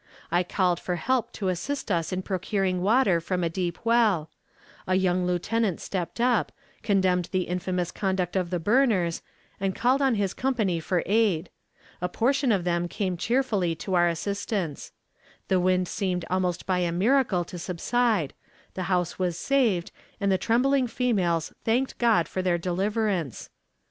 I called for help to assist us in procuring water from a deep well; a young lieutenant stepped up, condemned the infamous conduct of the burners, and called on his company for aid; a portion of them came cheerfully to our assistance; the wind seemed almost by a miracle to subside; the house was saved, and the trembling females thanked God for their deliverance.